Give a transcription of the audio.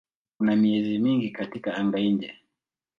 Kuna miezi mingi katika anga-nje.